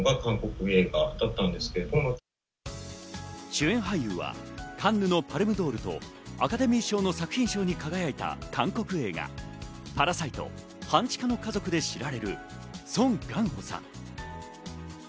主演俳優はカンヌのパルムドールと、アカデミー賞の作品賞に輝いた韓国映画、『パラサイト半地下の家族』で知られるソン・ガンホさん。